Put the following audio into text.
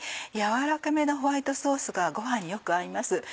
やわらかめのホワイトソースがご飯によく合います。